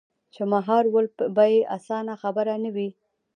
چـې مـهار ول بـه يـې اسـانه خبـره نـه وي.